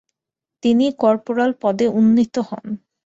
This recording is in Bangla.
তিনি কর্পোরাল পদে উন্নীত হন।